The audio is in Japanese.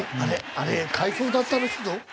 あれ代えそうだったらしいぞ。